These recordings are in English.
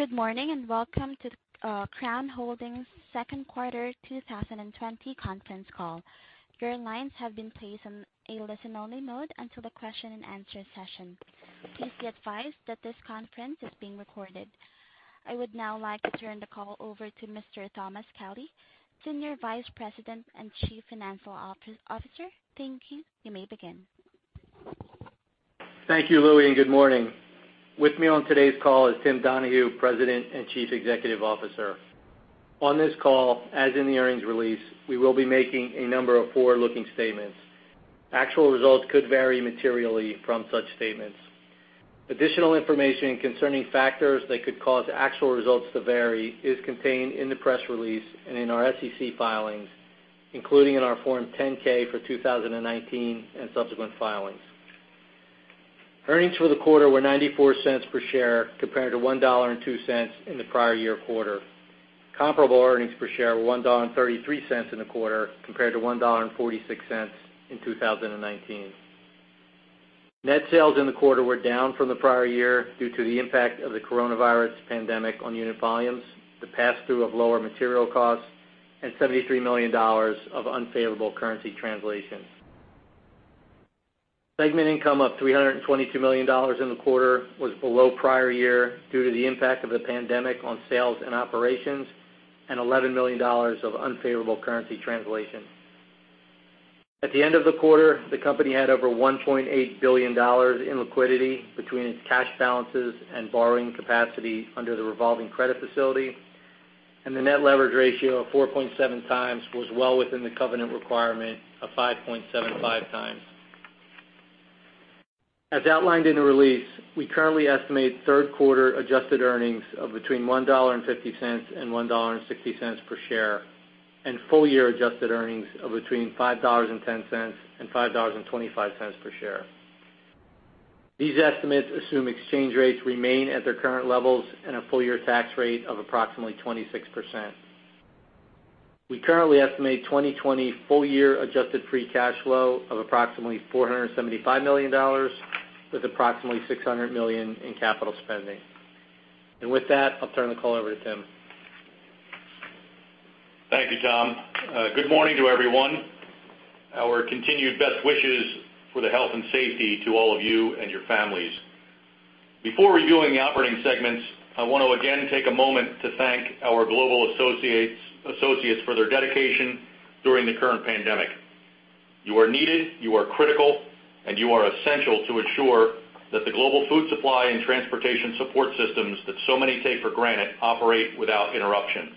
Good morning, and welcome to Crown Holdings' second quarter 2020 conference call. Your lines have been placed on a listen-only mode until the question and answer session. Please be advised that this conference is being recorded. I would now like to turn the call over to Mr. Thomas A. Kelly, Senior Vice President and Chief Financial Officer. Thank you. You may begin. Thank you, Louie, and good morning. With me on today's call is Tim Donahue, President and Chief Executive Officer. On this call, as in the earnings release, we will be making a number of forward-looking statements. Actual results could vary materially from such statements. Additional information concerning factors that could cause actual results to vary is contained in the press release and in our SEC filings, including in our Form 10-K for 2019 and subsequent filings. Earnings for the quarter were $0.94 per share compared to $1.02 in the prior year quarter. Comparable earnings per share were $1.33 in the quarter compared to $1.46 in 2019. Net sales in the quarter were down from the prior year due to the impact of the coronavirus pandemic on unit volumes, the pass-through of lower material costs, and $73 million of unfavorable currency translation. Segment income of $322 million in the quarter was below prior year due to the impact of the pandemic on sales and operations and $11 million of unfavorable currency translation. At the end of the quarter, the company had over $1.8 billion in liquidity between its cash balances and borrowing capacity under the revolving credit facility, and the net leverage ratio of 4.7 times was well within the covenant requirement of 5.75 times. As outlined in the release, we currently estimate third quarter adjusted earnings of between $1.50 and $1.60 per share, and full-year adjusted earnings of between $5.10 and $5.25 per share. These estimates assume exchange rates remain at their current levels and a full-year tax rate of approximately 26%. We currently estimate 2020 full-year adjusted free cash flow of approximately $475 million, with approximately $600 million in capital spending. With that, I'll turn the call over to Tim. Thank you, Tom. Good morning to everyone. Our continued best wishes for the health and safety to all of you and your families. Before reviewing the operating segments, I want to again take a moment to thank our global associates for their dedication during the current pandemic. You are needed, you are critical, and you are essential to ensure that the global food supply and transportation support systems that so many take for granted operate without interruption.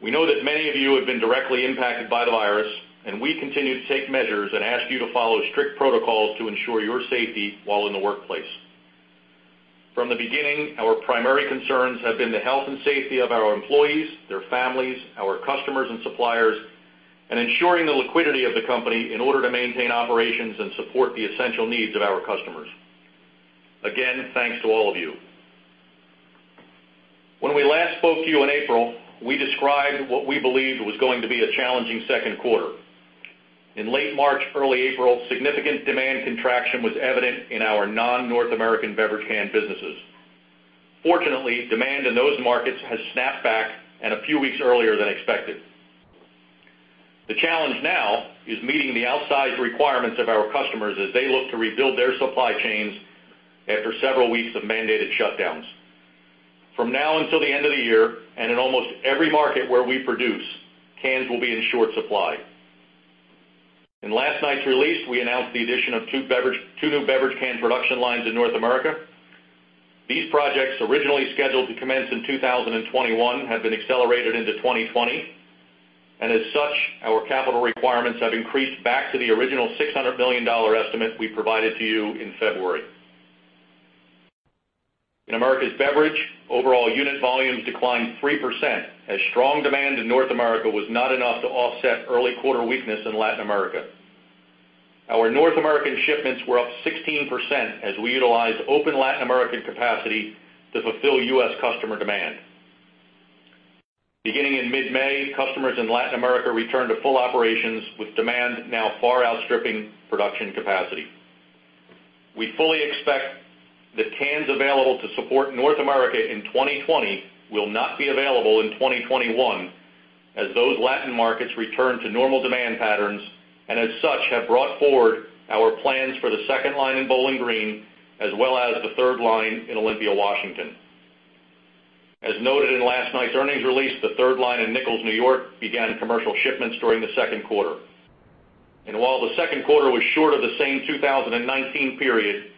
We know that many of you have been directly impacted by the virus, and we continue to take measures and ask you to follow strict protocols to ensure your safety while in the workplace. From the beginning, our primary concerns have been the health and safety of our employees, their families, our customers and suppliers, and ensuring the liquidity of the company in order to maintain operations and support the essential needs of our customers. Again, thanks to all of you. When we last spoke to you in April, we described what we believed was going to be a challenging second quarter. In late March, early April, significant demand contraction was evident in our non-North American beverage can businesses. Fortunately, demand in those markets has snapped back and a few weeks earlier than expected. The challenge now is meeting the outsized requirements of our customers as they look to rebuild their supply chains after several weeks of mandated shutdowns. From now until the end of the year, and in almost every market where we produce, cans will be in short supply. In last night's release, we announced the addition of two new beverage can production lines in North America. These projects, originally scheduled to commence in 2021, have been accelerated into 2020, and as such, our capital requirements have increased back to the original $600 million estimate we provided to you in February. In Americas Beverage, overall unit volumes declined 3% as strong demand in North America was not enough to offset early quarter weakness in Latin America. Our North American shipments were up 16% as we utilized open Latin American capacity to fulfill U.S. customer demand. Beginning in mid-May, customers in Latin America returned to full operations, with demand now far outstripping production capacity. We fully expect the cans available to support North America in 2020 will not be available in 2021 as those Latin markets return to normal demand patterns, and as such, have brought forward our plans for the second line in Bowling Green, as well as the third line in Olympia, Washington. As noted in last night's earnings release, the third line in Nichols, New York, began commercial shipments during the second quarter. While the second quarter was short of the same 2019 period,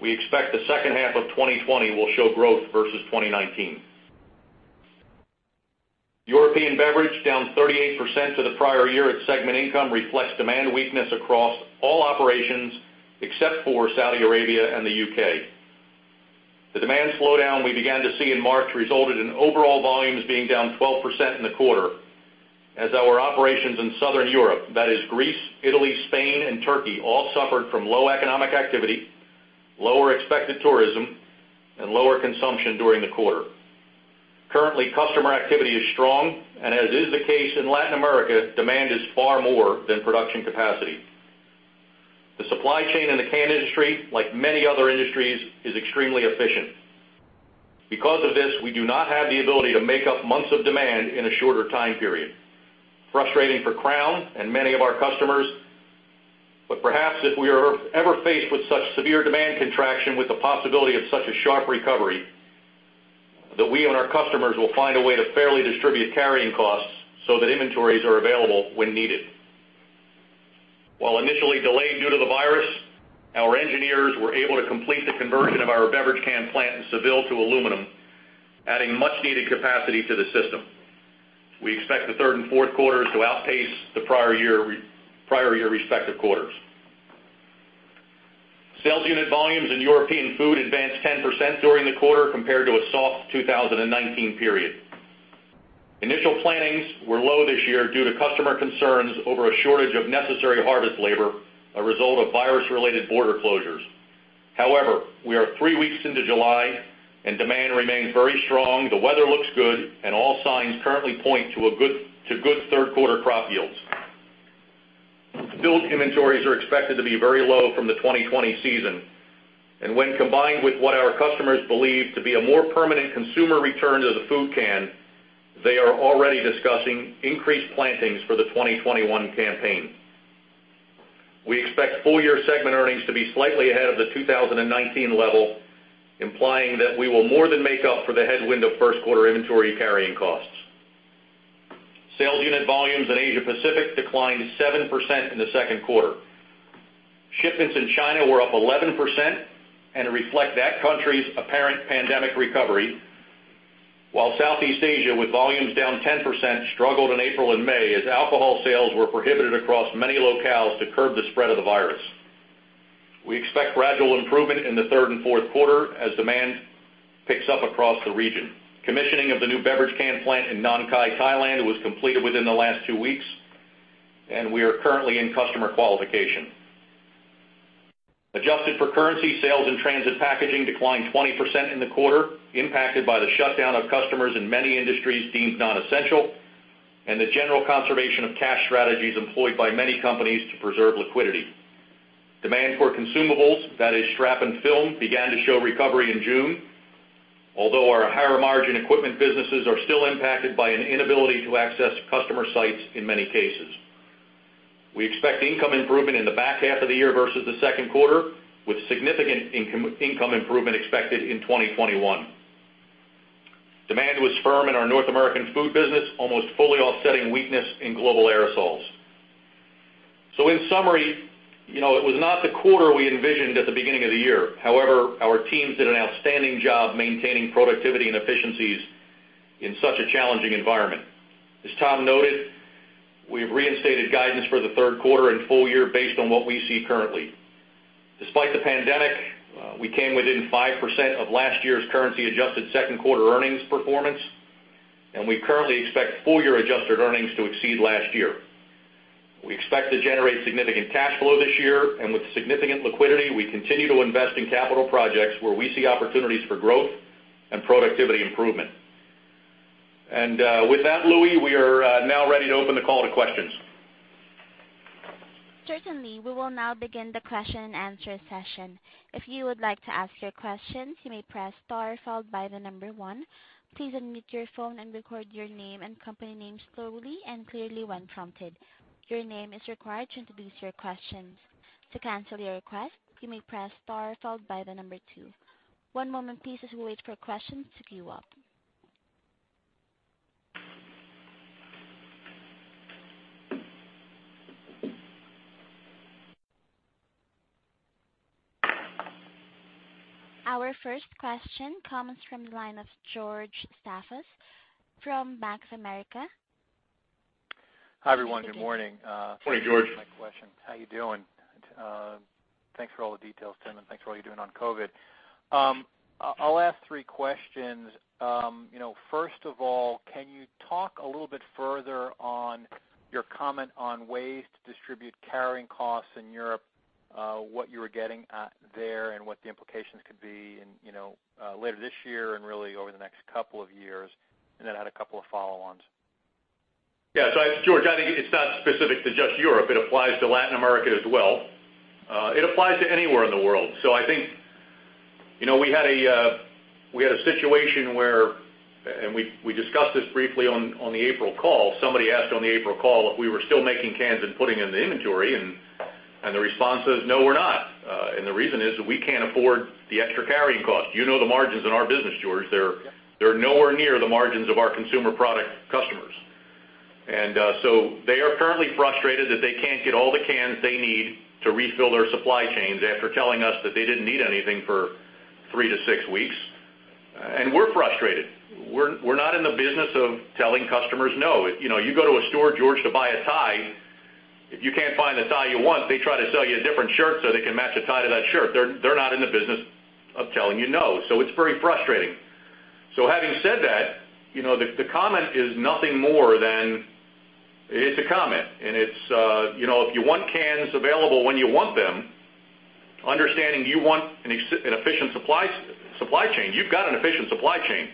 we expect the second half of 2020 will show growth versus 2019. European Beverage, down 38% to the prior year, its segment income reflects demand weakness across all operations except for Saudi Arabia and the U.K. The demand slowdown we began to see in March resulted in overall volumes being down 12% in the quarter as our operations in Southern Europe, that is Greece, Italy, Spain, and Turkey, all suffered from low economic activity, lower expected tourism, and lower consumption during the quarter. Currently, customer activity is strong, and as is the case in Latin America, demand is far more than production capacity. The supply chain in the can industry, like many other industries, is extremely efficient. Because of this, we do not have the ability to make up months of demand in a shorter time period. Frustrating for Crown and many of our customers, but perhaps if we are ever faced with such severe demand contraction with the possibility of such a sharp recovery, that we and our customers will find a way to fairly distribute carrying costs so that inventories are available when needed. While initially delayed due to the virus, our engineers were able to complete the conversion of our beverage can plant in Seville to aluminum, adding much-needed capacity to the system. We expect the third and fourth quarters to outpace the prior year respective quarters. Sales unit volumes in European Food advanced 10% during the quarter compared to a soft 2019 period. Initial plantings were low this year due to customer concerns over a shortage of necessary harvest labor, a result of virus-related border closures. However, we are three weeks into July, and demand remains very strong, the weather looks good, and all signs currently point to good third-quarter crop yields. Field inventories are expected to be very low from the 2020 season, and when combined with what our customers believe to be a more permanent consumer return to the food can, they are already discussing increased plantings for the 2021 campaign. We expect full-year segment earnings to be slightly ahead of the 2019 level, implying that we will more than make up for the headwind of first-quarter inventory carrying costs. Sales unit volumes in Asia Pacific declined 7% in the second quarter. Shipments in China were up 11% and reflect that country's apparent pandemic recovery. While Southeast Asia, with volumes down 10%, struggled in April and May as alcohol sales were prohibited across many locales to curb the spread of the virus. We expect gradual improvement in the third and fourth quarter as demand picks up across the region. Commissioning of the new beverage can plant in Nonthaburi, Thailand, was completed within the last two weeks, and we are currently in customer qualification. Adjusted for currency, sales and transit packaging declined 20% in the quarter, impacted by the shutdown of customers in many industries deemed non-essential and the general conservation of cash strategies employed by many companies to preserve liquidity. Demand for consumables, that is strap and film, began to show recovery in June. Although our higher-margin equipment businesses are still impacted by an inability to access customer sites in many cases. We expect income improvement in the back half of the year versus the second quarter, with significant income improvement expected in 2021. Demand was firm in our North American Food business, almost fully offsetting weakness in global aerosols. In summary, it was not the quarter we envisioned at the beginning of the year. However, our teams did an outstanding job maintaining productivity and efficiencies in such a challenging environment. As Tim noted, we've reinstated guidance for the third quarter and full year based on what we see currently. Despite the pandemic, we came within 5% of last year's currency-adjusted second quarter earnings performance, and we currently expect full-year adjusted earnings to exceed last year. We expect to generate significant cash flow this year, and with significant liquidity, we continue to invest in capital projects where we see opportunities for growth and productivity improvement. With that, Louie, we are now ready to open the call to questions. Certainly. We will now begin the question and answer session. If you would like to ask your questions, you may press star followed by the number 1. Please unmute your phone and record your name and company name slowly and clearly when prompted. Your name is required to introduce your questions. To cancel your request, you may press star followed by the number 2. One moment please as we wait for questions to queue up. Our first question comes from the line of George Staphos from Bank of America. Hi, everyone. Good morning. Morning, George. Thanks for taking my question. How you doing? Thanks for all the details, Tim, and thanks for all you're doing on COVID. I'll ask three questions. First of all, can you talk a little bit further on your comment on ways to distribute carrying costs in Europe, what you were getting at there, and what the implications could be later this year and really over the next couple of years? Then I had a couple of follow-ons. Yeah. George, I think it's not specific to just Europe. It applies to Latin America as well. It applies to anywhere in the world. I think we had a situation where, and we discussed this briefly on the April call. Somebody asked on the April call if we were still making cans and putting in the inventory, and the response is, no, we're not. The reason is that we can't afford the extra carrying cost. You know the margins in our business, George. They're nowhere near the margins of our consumer product customers. They are currently frustrated that they can't get all the cans they need to refill their supply chains after telling us that they didn't need anything for three to six weeks. We're frustrated. We're not in the business of telling customers no. You go to a store, George, to buy a tie. If you can't find the tie you want, they try to sell you a different shirt so they can match a tie to that shirt. They're not in the business of telling you no. It's very frustrating. Having said that, the comment is nothing more than it's a comment. If you want cans available when you want them. Understanding you want an efficient supply chain. You've got an efficient supply chain.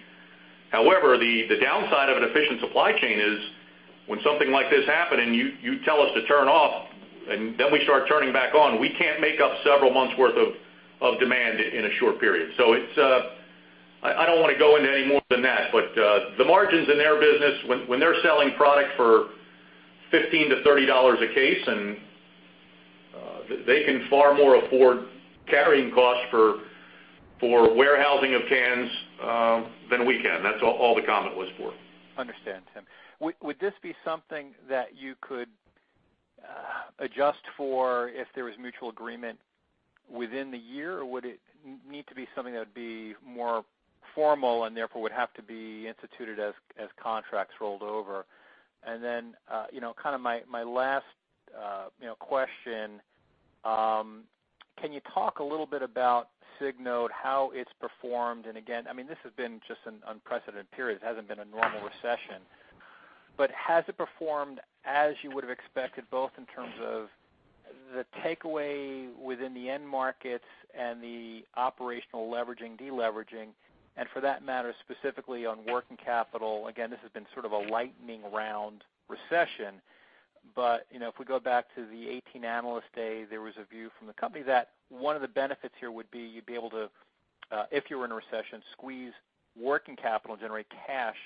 However, the downside of an efficient supply chain is when something like this happened, and you tell us to turn off, and then we start turning back on, we can't make up several months' worth of demand in a short period. I don't want to go into any more than that, but the margins in their business, when they're selling product for $15 to $30 a case, and they can far more afford carrying costs for warehousing of cans than we can. That's all the comment was for. Understand, Tim. Would this be something that you could adjust for if there was mutual agreement within the year, or would it need to be something that would be more formal and therefore would have to be instituted as contracts rolled over? Then, kind of my last question, can you talk a little bit about Signode, how it's performed? Again, this has been just an unprecedented period. It hasn't been a normal recession. Has it performed as you would've expected, both in terms of the takeaway within the end markets and the operational leveraging, de-leveraging, and for that matter, specifically on working capital? This has been sort of a lightning round recession, but if we go back to the 2018 Analyst Day, there was a view from the company that one of the benefits here would be you'd be able to, if you were in a recession, squeeze working capital and generate cash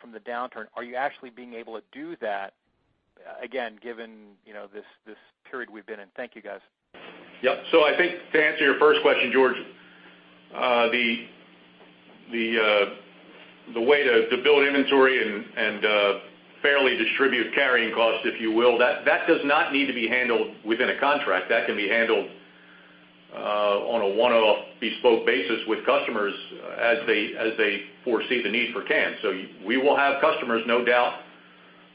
from the downturn. Are you actually being able to do that, again, given this period we've been in? Thank you, guys. Yep. I think to answer your first question, George, the way to build inventory and fairly distribute carrying costs, if you will, that does not need to be handled within a contract. That can be handled on a one-off bespoke basis with customers as they foresee the need for cans. We will have customers, no doubt,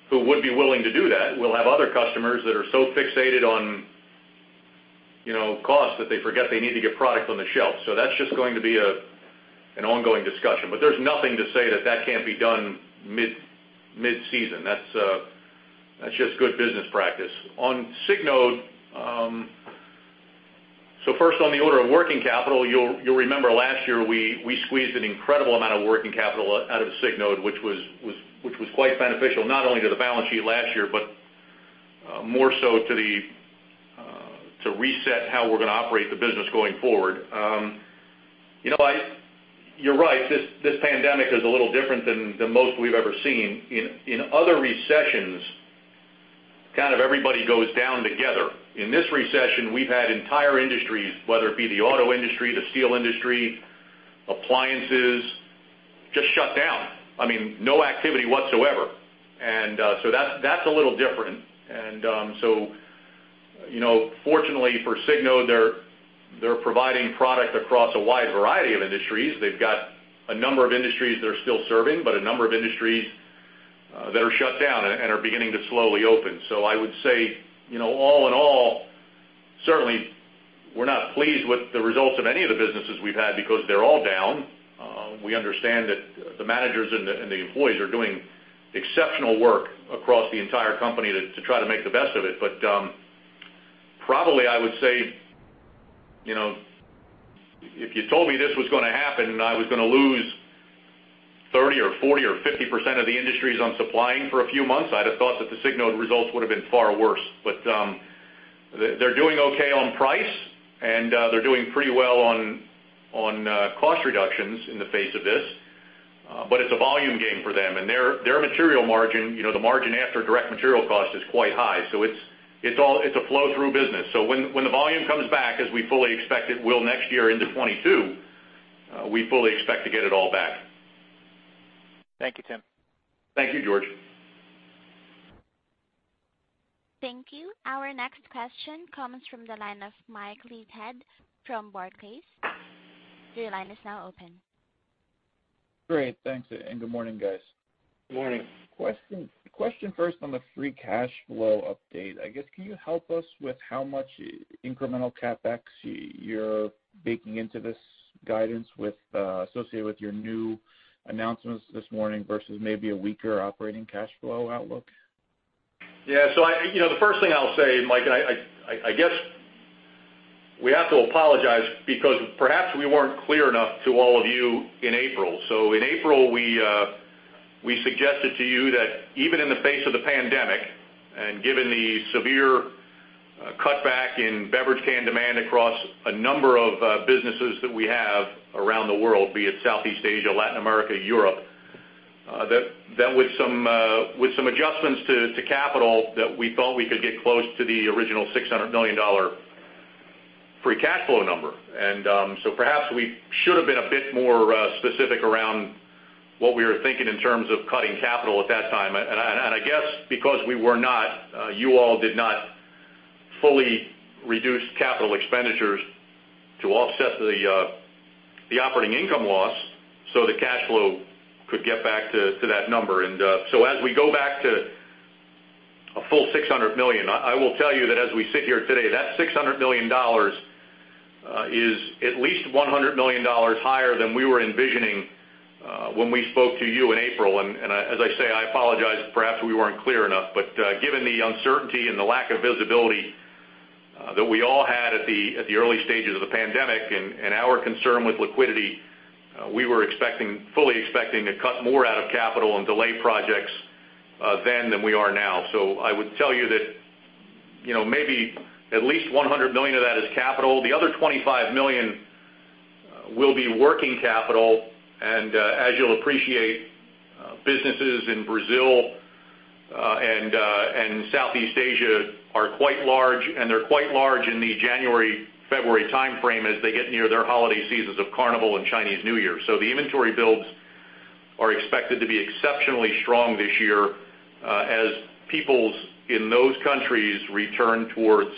who would be willing to do that. We'll have other customers that are so fixated on costs that they forget they need to get product on the shelf. That's just going to be an ongoing discussion. There's nothing to say that that can't be done mid-season. That's just good business practice. On Signode, first on the order of working capital, you'll remember last year, we squeezed an incredible amount of working capital out of Signode, which was quite beneficial, not only to the balance sheet last year, but more so to reset how we're going to operate the business going forward. You're right. This pandemic is a little different than the most we've ever seen. In other recessions, kind of everybody goes down together. In this recession, we've had entire industries, whether it be the auto industry, the steel industry, appliances, just shut down. No activity whatsoever. That's a little different. Fortunately for Signode, they're providing product across a wide variety of industries. They've got a number of industries they're still serving, but a number of industries that are shut down, and are beginning to slowly open. I would say, all in all, certainly we're not pleased with the results of any of the businesses we've had because they're all down. We understand that the managers and the employees are doing exceptional work across the entire company to try to make the best of it. Probably I would say, if you told me this was going to happen, and I was going to lose 30% or 40% or 50% of the industries I'm supplying for a few months, I'd have thought that the Signode results would've been far worse. They're doing okay on price, and they're doing pretty well on cost reductions in the face of this. It's a volume game for them, and their material margin, the margin after direct material cost, is quite high. It's a flow-through business. When the volume comes back, as we fully expect it will next year into 2022, we fully expect to get it all back. Thank you, Tim. Thank you, George. Thank you. Our next question comes from the line of Michael Leithead from Barclays. Your line is now open. Great. Thanks, and good morning, guys. Good morning. Question first on the free cash flow update. I guess can you help us with how much incremental CapEx you're baking into this guidance associated with your new announcements this morning versus maybe a weaker operating cash flow outlook? Yeah. The first thing I'll say, Mike, and I guess we have to apologize because perhaps we weren't clear enough to all of you in April. In April, we suggested to you that even in the face of the pandemic, and given the severe cutback in beverage can demand across a number of businesses that we have around the world, be it Southeast Asia, Latin America, Europe, that with some adjustments to capital, that we thought we could get close to the original $600 million free cash flow number. Perhaps we should have been a bit more specific around what we were thinking in terms of cutting capital at that time. I guess because we were not, you all did not fully reduce capital expenditures to offset the operating income loss, so the cash flow could get back to that number. As we go back to a full $600 million, I will tell you that as we sit here today, that $600 million is at least $100 million higher than we were envisioning. When we spoke to you in April, as I say, I apologize if perhaps we weren't clear enough, but given the uncertainty and the lack of visibility that we all had at the early stages of the pandemic and our concern with liquidity, we were fully expecting to cut more out of capital and delay projects then than we are now. I would tell you that maybe at least $100 million of that is capital. The other $25 million will be working capital, and as you'll appreciate, businesses in Brazil and Southeast Asia are quite large, and they're quite large in the January, February timeframe as they get near their holiday seasons of Carnival and Chinese New Year. The inventory builds are expected to be exceptionally strong this year as peoples in those countries return towards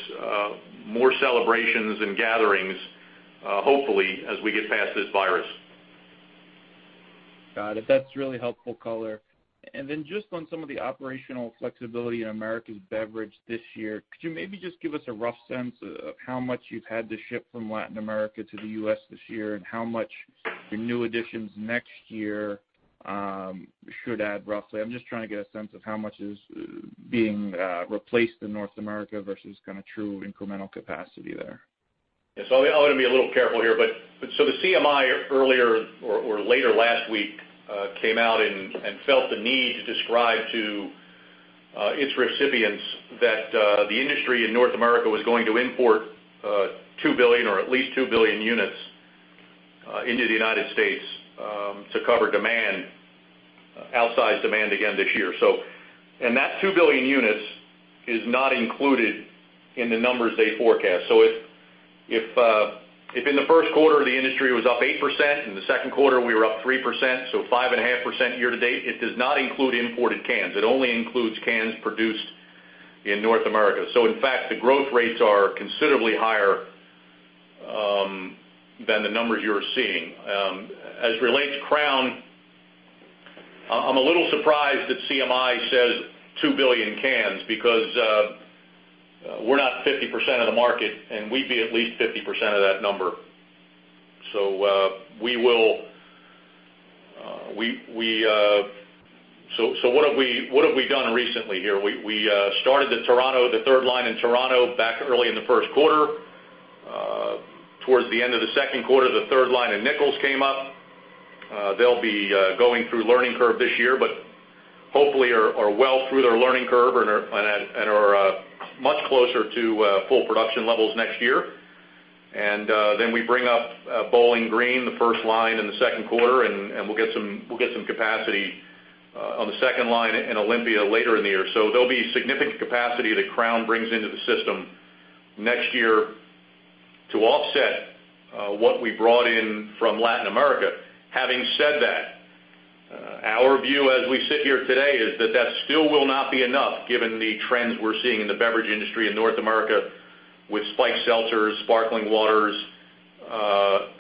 more celebrations and gatherings, hopefully, as we get past this virus. Got it. That's really helpful color. Just on some of the operational flexibility in Americas Beverage this year, could you maybe just give us a rough sense of how much you've had to ship from Latin America to the U.S. this year and how much your new additions next year should add roughly? I'm just trying to get a sense of how much is being replaced in North America versus true incremental capacity there. Yes. I'm going to be a little careful here, but the CMI earlier or later last week, came out and felt the need to describe to its recipients that the industry in North America was going to import 2 billion or at least 2 billion units into the United States to cover demand, outsized demand again this year. That 2 billion units is not included in the numbers they forecast. If in the first quarter, the industry was up 8%, in the second quarter, we were up 3%, so 5.5% year to date, it does not include imported cans. It only includes cans produced in North America. In fact, the growth rates are considerably higher than the numbers you are seeing. As relates to Crown, I'm a little surprised that CMI says 2 billion cans because we're not 50% of the market, and we'd be at least 50% of that number. What have we done recently here? We started the third line in Toronto back early in the first quarter. Towards the end of the second quarter, the third line in Nichols came up. They'll be going through learning curve this year, but hopefully are well through their learning curve and are much closer to full production levels next year. We bring up Bowling Green, the first line in the second quarter, and we'll get some capacity on the second line in Olympia later in the year. There'll be significant capacity that Crown brings into the system next year to offset what we brought in from Latin America. Having said that, our view as we sit here today is that that still will not be enough given the trends we're seeing in the beverage industry in North America with spiked seltzers, sparkling waters,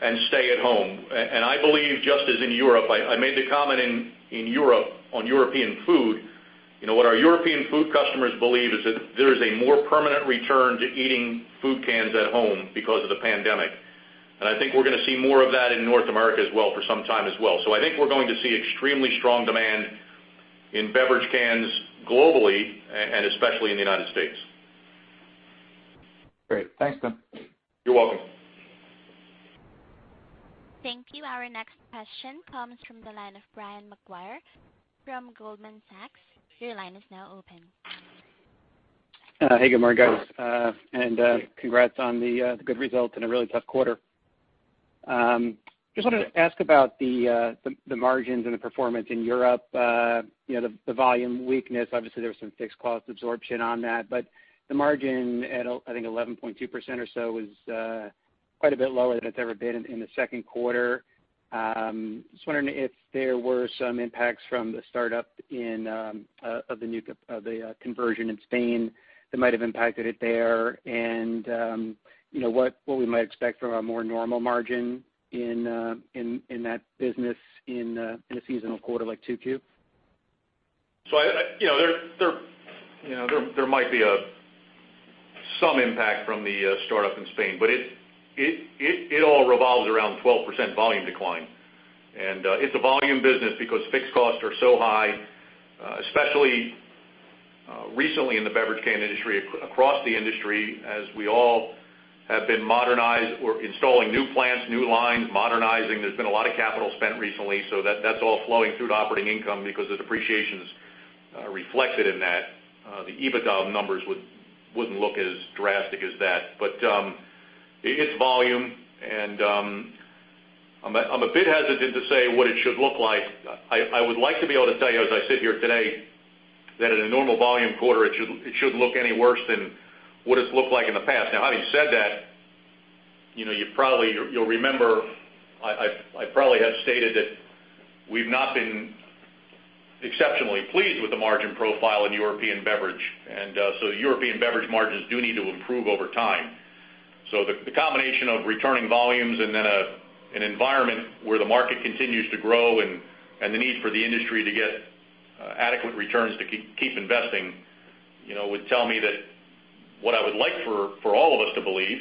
and stay-at-home. I believe just as in Europe, I made the comment in Europe on European Food, what our European Food customers believe is that there is a more permanent return to eating food cans at home because of the pandemic. I think we're going to see more of that in North America as well for some time as well. I think we're going to see extremely strong demand in beverage cans globally, and especially in the United States. Great. Thanks, [Gordon]. You're welcome. Thank you. Our next question comes from the line of Brian Maguire from Goldman Sachs. Your line is now open. Hey, good morning, guys. Hey. Congrats on the good results in a really tough quarter. Just wanted to ask about the margins and the performance in Europe. The volume weakness, obviously, there was some fixed cost absorption on that, but the margin at, I think, 11.2% or so was quite a bit lower than it's ever been in the second quarter. Just wondering if there were some impacts from the startup of the conversion in Spain that might have impacted it there and what we might expect from a more normal margin in that business in a seasonal quarter like 2Q? There might be some impact from the startup in Spain. It all revolves around 12% volume decline. It's a volume business because fixed costs are so high, especially recently in the beverage can industry, across the industry, as we all have been modernized. We're installing new plants, new lines, modernizing. There's been a lot of capital spent recently. That's all flowing through to operating income because the depreciation's reflected in that. The EBITDA numbers wouldn't look as drastic as that. It's volume, and I'm a bit hesitant to say what it should look like. I would like to be able to tell you as I sit here today that at a normal volume quarter, it shouldn't look any worse than what it's looked like in the past. Now, having said that, you'll remember I probably have stated that we've not been exceptionally pleased with the margin profile in European Beverage, European Beverage margins do need to improve over time. The combination of returning volumes and then an environment where the market continues to grow and the need for the industry to get adequate returns to keep investing would tell me that. What I would like for all of us to believe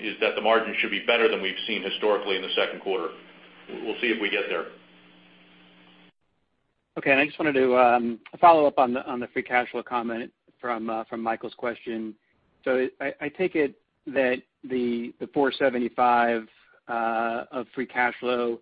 is that the margin should be better than we've seen historically in the second quarter. We'll see if we get there. Okay. I just wanted to follow up on the free cash flow comment from Michael's question. I take it that the $475 of free cash flow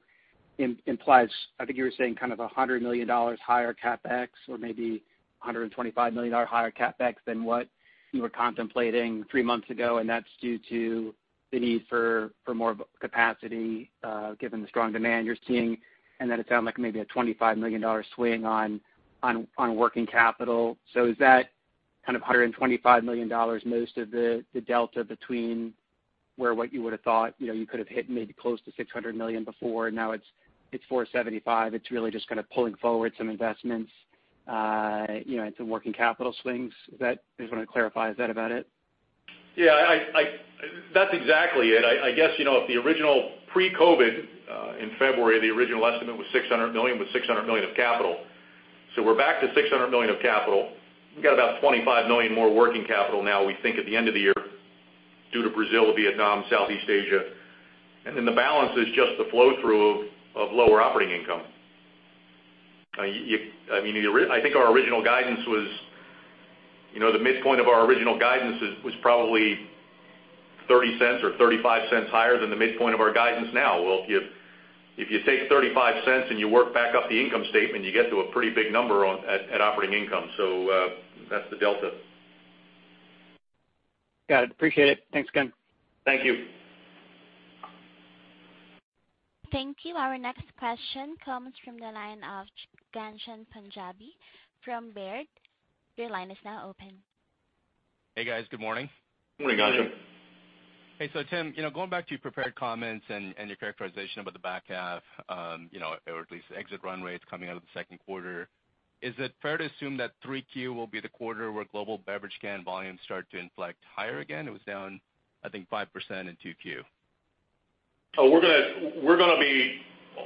implies, I think you were saying $100 million higher CapEx or maybe $125 million higher CapEx than what you were contemplating three months ago. That's due to the need for more capacity, given the strong demand you're seeing. Then it sound like maybe a $25 million swing on working capital. Is that $125 million most of the delta between where what you would've thought, you could've hit maybe close to $600 million before, now it's $475. It's really just pulling forward some investments into working capital swings. I just want to clarify, is that about it? That's exactly it. I guess, if the original pre-COVID, in February, the original estimate was $600 million, with $600 million of capital. We're back to $600 million of capital. We've got about $25 million more working capital now we think at the end of the year, due to Brazil, Vietnam, Southeast Asia. The balance is just the flow-through of lower operating income. I think our original guidance was, the midpoint of our original guidance was probably $0.30 or $0.35 higher than the midpoint of our guidance now. Well, if you take $0.35 and you work back up the income statement, you get to a pretty big number at operating income. That's the delta. Got it. Appreciate it. Thanks again. Thank you. Thank you. Our next question comes from the line of Ghansham Panjabi from Baird. Your line is now open. Hey, guys. Good morning. Morning, Ghansham. Hey. Tim, going back to your prepared comments and your characterization about the back half, or at least exit run rates coming out of the second quarter, is it fair to assume that 3Q will be the quarter where global beverage can volumes start to inflect higher again? It was down, I think 5% in 2Q.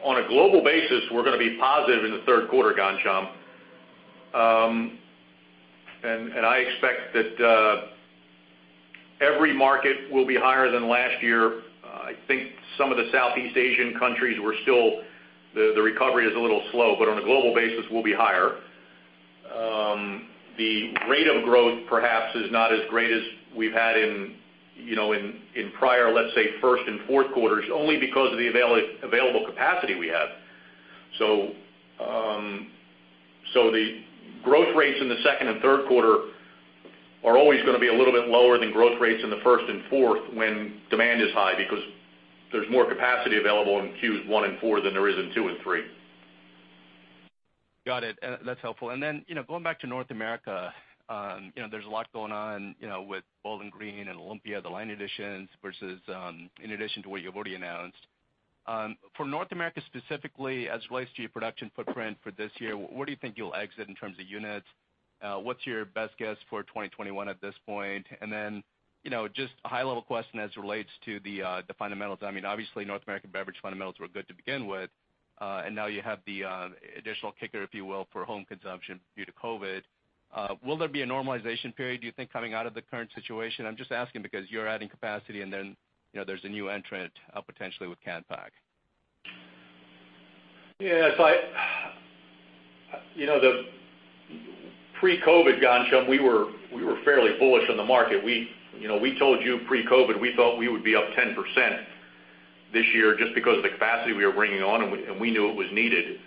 On a global basis, we're going to be positive in the third quarter, Ghansham. I expect that every market will be higher than last year. I think some of the Southeast Asian countries, the recovery is a little slow, but on a global basis, we'll be higher. The rate of growth perhaps is not as great as we've had in prior, let's say, first and fourth quarters, only because of the available capacity we have. The growth rates in the second and third quarter are always going to be a little bit lower than growth rates in the first and fourth when demand is high, because there's more capacity available in Qs 1 and 4 than there is in 2 and 3. Got it. That's helpful. Going back to North America, there's a lot going on with Bowling Green and Olympia, the line additions versus, in addition to what you've already announced. For North America specifically, as it relates to your production footprint for this year, where do you think you'll exit in terms of units? What's your best guess for 2021 at this point? Just a high-level question as it relates to the fundamentals. Obviously, North American beverage fundamentals were good to begin with. You have the additional kicker, if you will, for home consumption due to COVID. Will there be a normalization period, do you think, coming out of the current situation? I'm just asking because you're adding capacity and then there's a new entrant, potentially, with CANPACK. Pre-COVID, Ghansham, we were fairly bullish on the market. We told you pre-COVID, we thought we would be up 10% this year just because of the capacity we were bringing on, and we knew it was needed.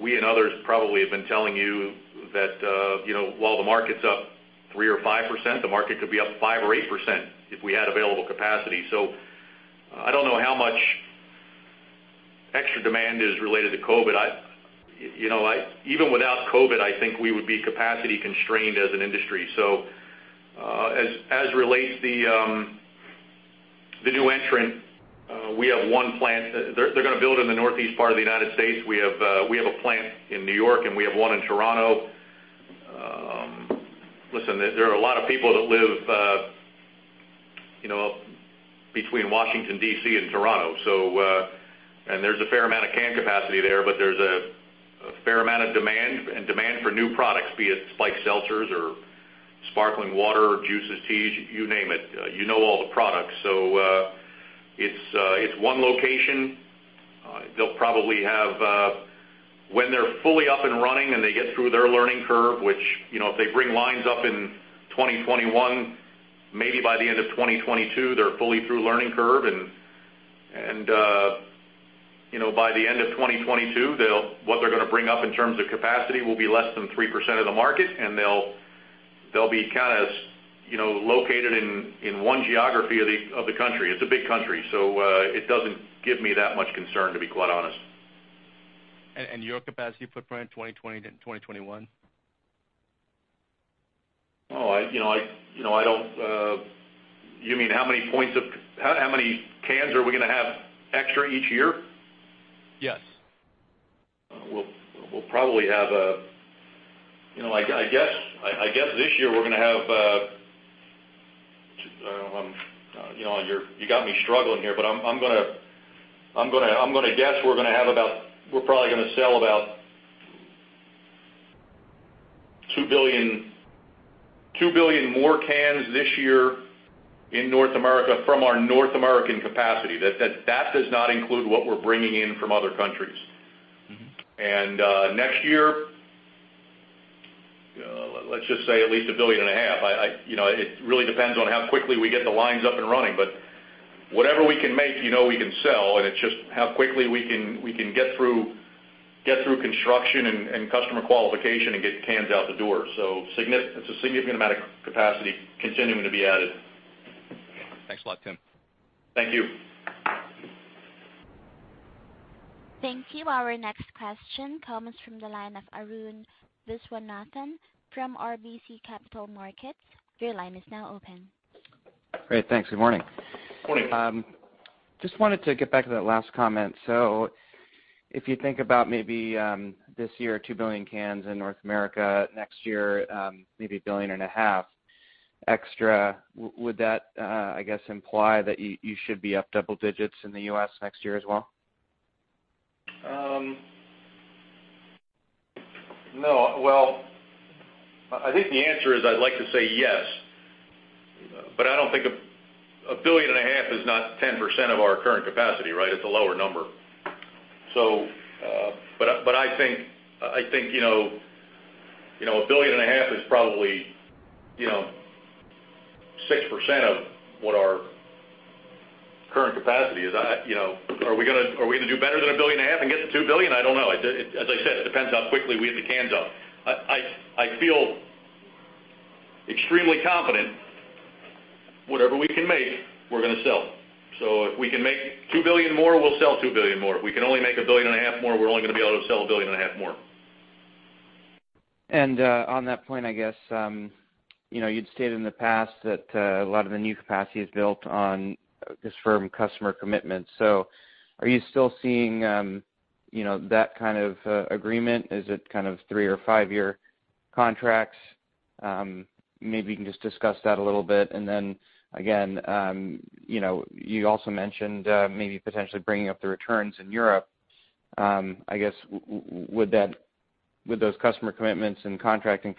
We and others probably have been telling you that while the market's up 3% or 5%, the market could be up 5% or 8% if we had available capacity. I don't know how much extra demand is related to COVID. Even without COVID, I think we would be capacity constrained as an industry. As relates the new entrant, we have one plant. They're going to build in the northeast part of the U.S. We have a plant in N.Y., and we have one in Toronto. Listen, there are a lot of people that live between Washington, D.C. and Toronto. There's a fair amount of can capacity there, but there's a fair amount of demand and demand for new products, be it spiked seltzers or sparkling water or juices, teas, you name it. You know all the products. It's one location. They'll probably have, when they're fully up and running and they get through their learning curve, which, if they bring lines up in 2021, maybe by the end of 2022, they're fully through learning curve. By the end of 2022, what they're going to bring up in terms of capacity will be less than 3% of the market, and they'll be located in one geography of the country. It's a big country. It doesn't give me that much concern, to be quite honest. Your capacity footprint 2020-2021? You mean how many cans are we going to have extra each year? Yes. You got me struggling here, but I'm going to guess we're probably going to sell about 2 billion more cans this year in North America from our North American capacity. That does not include what we're bringing in from other countries. Next year, let's just say at least a billion and a half. It really depends on how quickly we get the lines up and running, but whatever we can make, you know we can sell, and it's just how quickly we can get through construction and customer qualification and get cans out the door. It's a significant amount of capacity continuing to be added. Thanks a lot, Tim. Thank you. Thank you. Our next question comes from the line of Arun Viswanathan from RBC Capital Markets. Your line is now open. Great, thanks. Good morning. Morning. Just wanted to get back to that last comment. If you think about maybe this year, 2 billion cans in North America, next year maybe a billion and a half extra, would that, I guess, imply that you should be up double digits in the U.S. next year as well? No. Well, I think the answer is, I'd like to say yes, but a billion and a half is not 10% of our current capacity, right? It's a lower number. I think a billion and a half is probably 6% of what our current capacity is. Are we going to do better than a billion and a half and get to 2 billion? I don't know. As I said, it depends how quickly we get the cans out. I feel extremely confident whatever we can make, we're going to sell. If we can make 2 billion more, we'll sell 2 billion more. If we can only make a billion and a half more, we're only going to be able to sell a billion and a half more. On that point, I guess, you'd stated in the past that a lot of the new capacity is built on just firm customer commitments. Are you still seeing that kind of agreement? Is it kind of three or five-year contracts? Maybe you can just discuss that a little bit. Then again, you also mentioned maybe potentially bringing up the returns in Europe. I guess, would those customer commitments and contracting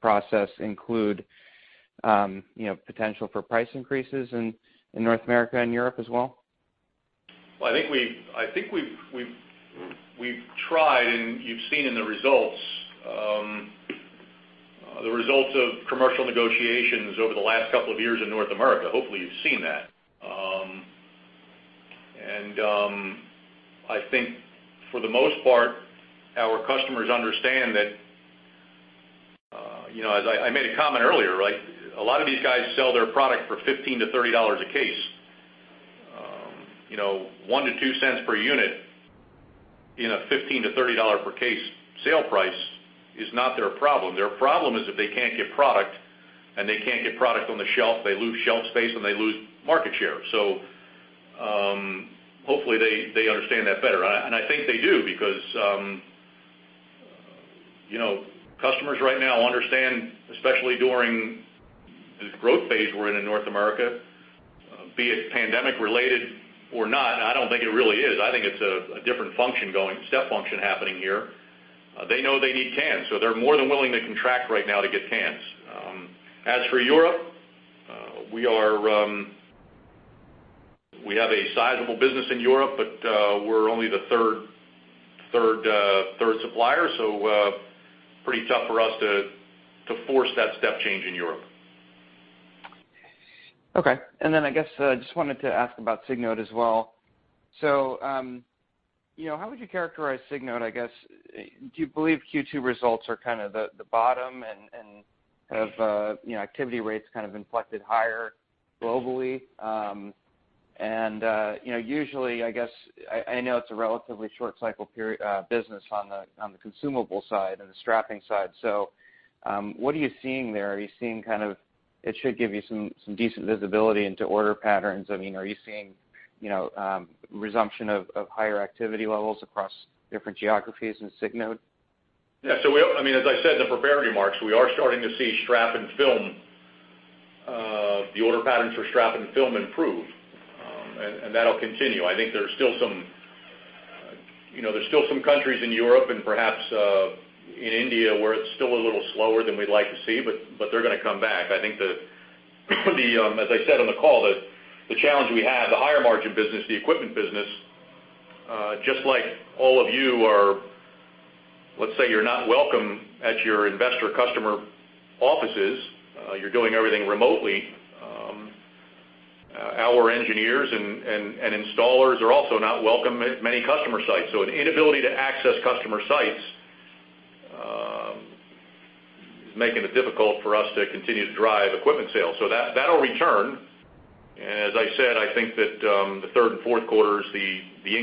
process include potential for price increases in North America and Europe as well? Well, I think we've tried, and you've seen in the results of commercial negotiations over the last couple of years in North America. Hopefully, you've seen that. I think for the most part, our customers understand that, as I made a comment earlier, a lot of these guys sell their product for $15-$30 a case. $0.01-$0.02 per unit in a $15-$30 per case sale price is not their problem. Their problem is if they can't get product, and they can't get product on the shelf, they lose shelf space, and they lose market share. Hopefully they understand that better. I think they do because customers right now understand, especially during this growth phase we're in in North America, be it pandemic related or not, and I don't think it really is. I think it's a different step function happening here. They know they need cans, so they're more than willing to contract right now to get cans. As for Europe, we have a sizable business in Europe, but we're only the third supplier, so pretty tough for us to force that step change in Europe. Okay. I guess I just wanted to ask about Signode as well. How would you characterize Signode, I guess? Do you believe Q2 results are kind of the bottom and kind of activity rates kind of inflected higher globally? Usually, I guess, I know it's a relatively short cycle business on the consumable side and the strapping side. What are you seeing there? It should give you some decent visibility into order patterns. Are you seeing resumption of higher activity levels across different geographies in Signode? As I said in the prepared remarks, we are starting to see the order patterns for strap and film improve. That'll continue. I think there's still some countries in Europe and perhaps in India where it's still a little slower than we'd like to see, but they're going to come back. I think as I said on the call, the challenge we have, the higher margin business, the equipment business, just like all of you are, let's say you're not welcome at your investor customer offices, you're doing everything remotely. Our engineers and installers are also not welcome at many customer sites. An inability to access customer sites is making it difficult for us to continue to drive equipment sales. That'll return. As I said, I think that the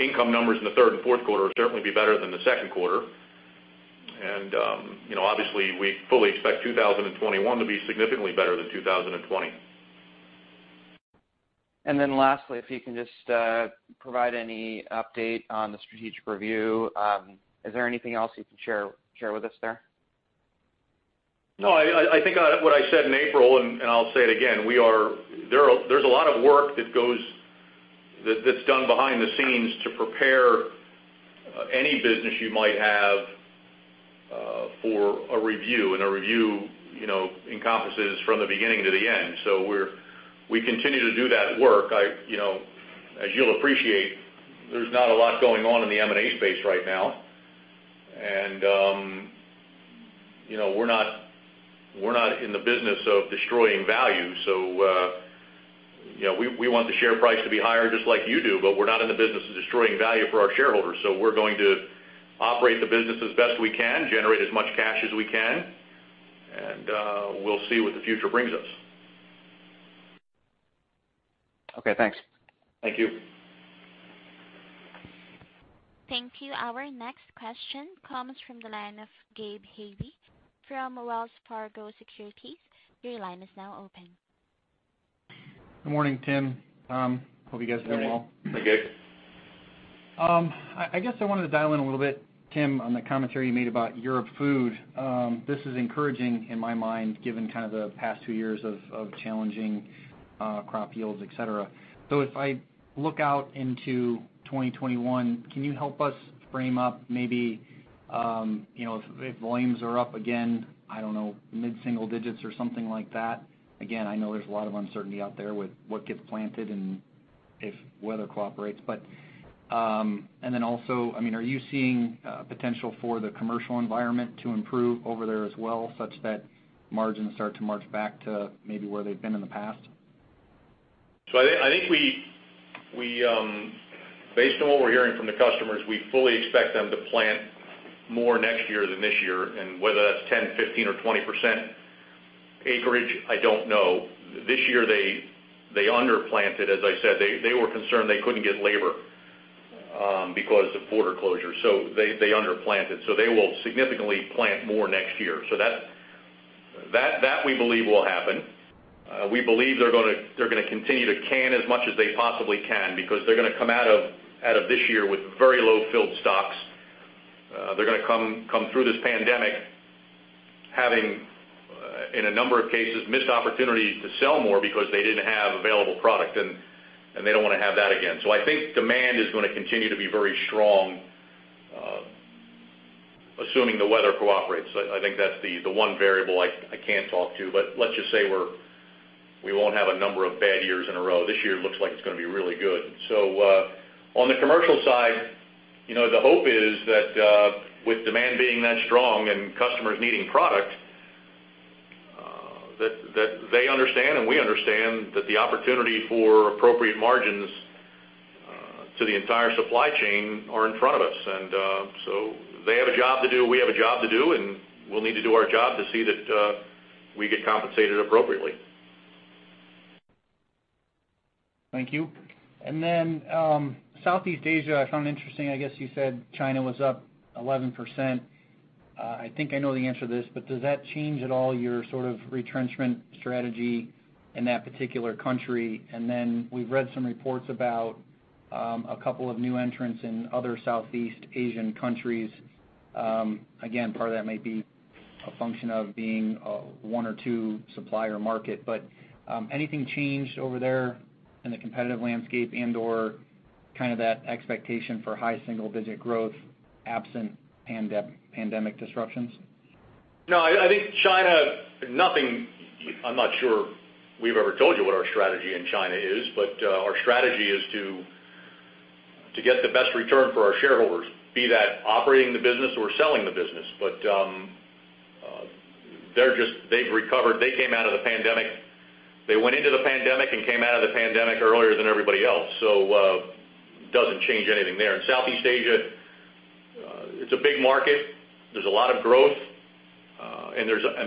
income numbers in the third and fourth quarter will certainly be better than the second quarter. Obviously, we fully expect 2021 to be significantly better than 2020. Lastly, if you can just provide any update on the strategic review. Is there anything else you can share with us there? I think what I said in April, and I'll say it again. There's a lot of work that's done behind the scenes to prepare any business you might have for a review, and a review encompasses from the beginning to the end. We continue to do that work. As you'll appreciate, there's not a lot going on in the M&A space right now. We're not in the business of destroying value. We want the share price to be higher just like you do, but we're not in the business of destroying value for our shareholders. We're going to operate the business as best we can, generate as much cash as we can, and we'll see what the future brings us. Okay, thanks. Thank you. Thank you. Our next question comes from the line of Gabe Hajde from Wells Fargo Securities. Your line is now open. Good morning, Tim. Hope you guys are doing well. Good morning. Hey, Gabe. I guess I wanted to dial in a little bit, Tim, on the commentary you made about European Food. This is encouraging in my mind, given the past 2 years of challenging crop yields, et cetera. If I look out into 2021, can you help us frame up maybe, if volumes are up again, I don't know, mid-single digits or something like that? Again, I know there's a lot of uncertainty out there with what gets planted and if weather cooperates. Then also, are you seeing potential for the commercial environment to improve over there as well, such that margins start to march back to maybe where they've been in the past? I think based on what we're hearing from the customers, we fully expect them to plant more next year than this year, whether that's 10%, 15% or 20% acreage, I don't know. This year, they underplanted, as I said. They were concerned they couldn't get labor because of border closures. They underplanted. They will significantly plant more next year. That, we believe, will happen. We believe they're going to continue to can as much as they possibly can, because they're going to come out of this year with very low filled stocks. They're going to come through this pandemic having, in a number of cases, missed opportunities to sell more because they didn't have available product, they don't want to have that again. I think demand is going to continue to be very strong, assuming the weather cooperates. I think that's the one variable I can't talk to. Let's just say we won't have a number of bad years in a row. This year looks like it's going to be really good. On the commercial side, the hope is that with demand being that strong and customers needing product, that they understand and we understand that the opportunity for appropriate margins to the entire supply chain are in front of us. They have a job to do, we have a job to do, and we'll need to do our job to see that we get compensated appropriately. Thank you. Southeast Asia, I found interesting, I guess you said China was up 11%. I think I know the answer to this, does that change at all your sort of retrenchment strategy in that particular country? We've read some reports about a couple of new entrants in other Southeast Asian countries. Again, part of that may be a function of being a one or two supplier market. Anything changed over there in the competitive landscape and/or kind of that expectation for high single-digit growth absent pandemic disruptions? I think China, I'm not sure we've ever told you what our strategy in China is, but our strategy is to get the best return for our shareholders, be that operating the business or selling the business. They've recovered. They went into the pandemic and came out of the pandemic earlier than everybody else. It doesn't change anything there. In Southeast Asia, it's a big market. There's a lot of growth.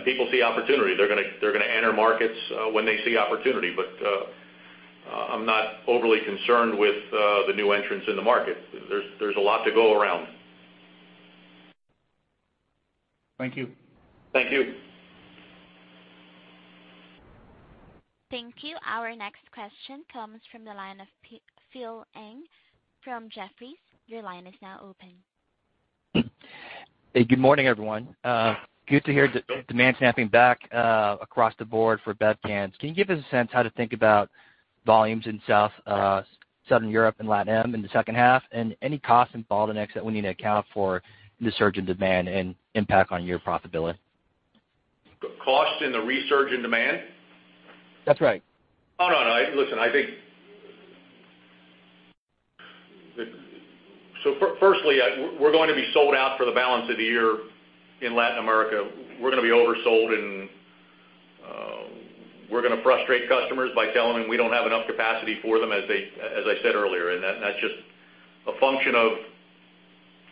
People see opportunity. They're going to enter markets when they see opportunity. I'm not overly concerned with the new entrants in the market. There's a lot to go around. Thank you. Thank you. Thank you. Our next question comes from the line of Phil Ng from Jefferies. Your line is now open. Hey, good morning, everyone. Good to hear demand snapping back across the board for Bev cans. Can you give us a sense how to think about volumes in Southern Europe and Latin Am. in the second half? Any costs involved in that we need to account for the surge in demand and impact on your profitability? The cost in the resurge in demand? That's right. Oh, no. Listen, firstly, we're going to be sold out for the balance of the year in Latin America. We're going to be oversold, and we're going to frustrate customers by telling them we don't have enough capacity for them as I said earlier. That's just a function of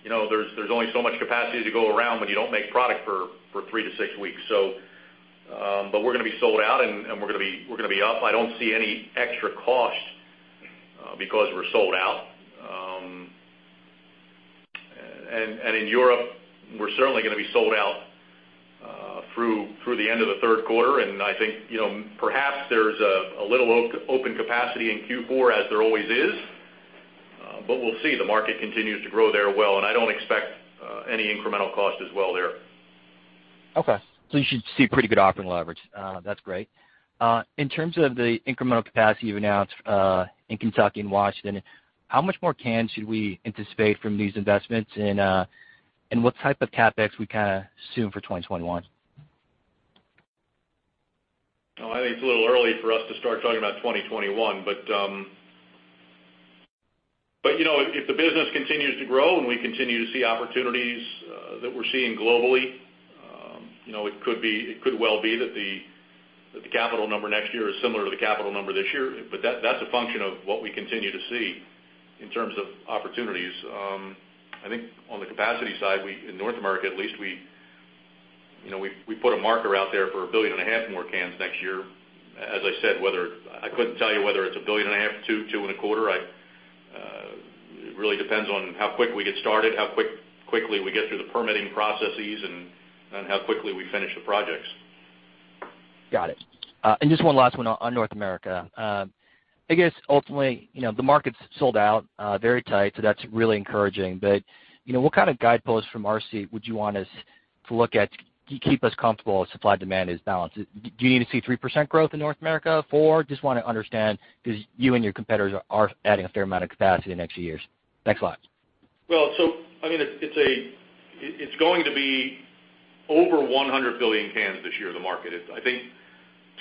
there's only so much capacity to go around when you don't make product for three to six weeks. We're going to be sold out, and we're going to be up. I don't see any extra cost because we're sold out. In Europe, we're certainly going to be sold out through the end of the third quarter. I think perhaps there's a little open capacity in Q4, as there always is. We'll see. The market continues to grow there well, and I don't expect any incremental cost as well there. You should see pretty good operating leverage. That's great. In terms of the incremental capacity you announced in Kentucky and Washington, how much more cans should we anticipate from these investments, and what type of CapEx we assume for 2021? I think it's a little early for us to start talking about 2021. If the business continues to grow and we continue to see opportunities that we're seeing globally, it could well be that the capital number next year is similar to the capital number this year. That's a function of what we continue to see in terms of opportunities. I think on the capacity side, in North America at least, we put a marker out there for a billion and a half more cans next year. As I said, I couldn't tell you whether it's a billion and a half, two and a quarter. It really depends on how quick we get started, how quickly we get through the permitting processes, how quickly we finish the projects. Got it. Just one last one on North America. I guess ultimately, the market's sold out very tight, that's really encouraging. What kind of guidepost from our seat would you want us to look at to keep us comfortable as supply-demand is balanced? Do you need to see 3% growth in North America? Four? Just want to understand because you and your competitors are adding a fair amount of capacity in the next few years. Thanks a lot. Well, it's going to be over 100 billion cans this year in the market. I think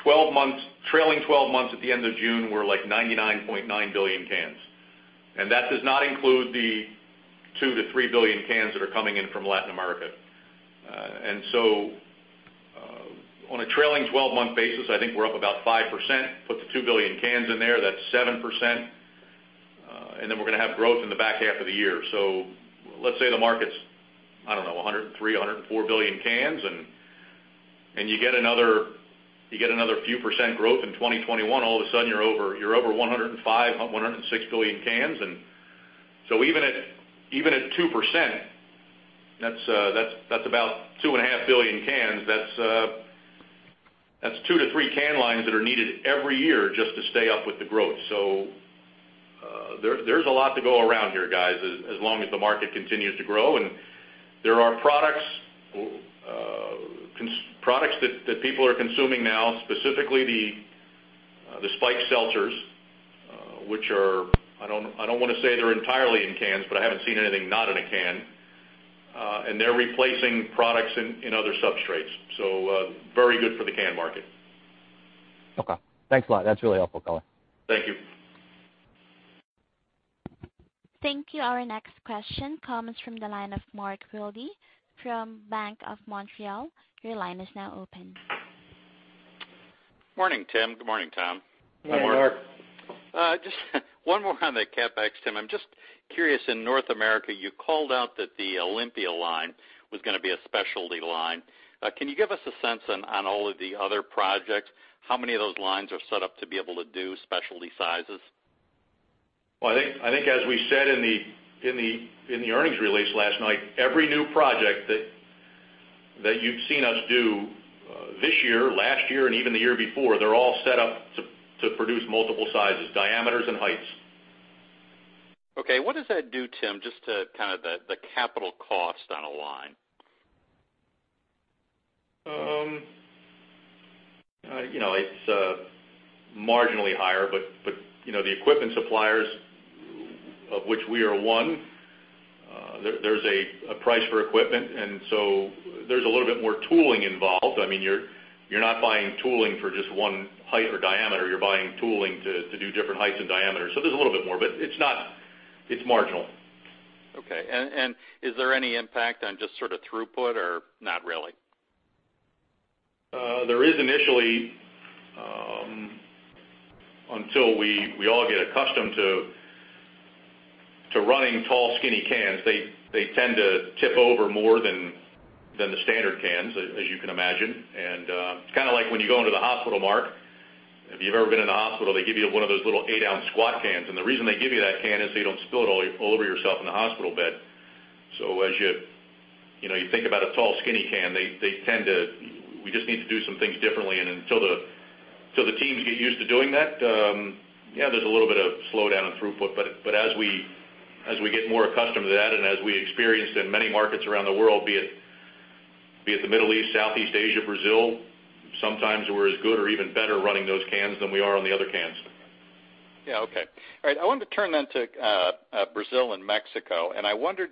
trailing 12 months at the end of June were like 99.9 billion cans. That does not include the 2 billion-3 billion cans that are coming in from Latin America. On a trailing 12-month basis, I think we're up about 5%. Put the 2 billion cans in there, that's 7%. Then we're going to have growth in the back half of the year. Let's say the market's, I don't know, 103 billion-104 billion cans, and you get another few percent growth in 2021. All of a sudden, you're over 105 billion-106 billion cans. Even at 2%, that's about 2.5 billion cans. That's 2-3 can lines that are needed every year just to stay up with the growth. There's a lot to go around here, guys, as long as the market continues to grow. There are products that people are consuming now, specifically the spiked seltzers, which are, I don't want to say they're entirely in cans, but I haven't seen anything not in a can. They're replacing products in other substrates. Very good for the can market. Okay. Thanks a lot. That's really helpful, color. Thank you. Thank you. Our next question comes from the line of Mark Wilde from Bank of Montreal. Your line is now open. Morning, Tim. Good morning, Tim. Morning, Mark. Just one more on the CapEx, Tim. I'm just curious, in North America, you called out that the Olympia line was going to be a specialty line. Can you give us a sense on all of the other projects, how many of those lines are set up to be able to do specialty sizes? Well, I think as we said in the earnings release last night, every new project that you've seen us do this year, last year, and even the year before, they're all set up to produce multiple sizes, diameters, and heights. Okay. What does that do, Tim, just to the capital cost on a line? It's marginally higher, but the equipment suppliers, of which we are one, there's a price for equipment, and so there's a little bit more tooling involved. You're not buying tooling for just one height or diameter. You're buying tooling to do different heights and diameters. There's a little bit more, but it's marginal. Okay. Is there any impact on just throughput or not really? There is initially, until we all get accustomed to running tall, skinny cans. They tend to tip over more than the standard cans, as you can imagine. It's kind of like when you go into the hospital, Mark. If you've ever been in the hospital, they give you one of those little eight-ounce squat cans, and the reason they give you that can is so you don't spill it all over yourself in the hospital bed. As you think about a tall, skinny can, we just need to do some things differently. Until the teams get used to doing that, yeah, there's a little bit of slowdown in throughput. As we get more accustomed to that and as we experienced in many markets around the world, be it the Middle East, Southeast Asia, Brazil, sometimes we're as good or even better running those cans than we are on the other cans. Yeah. Okay. All right. I wanted to turn then to Brazil and Mexico. I wondered,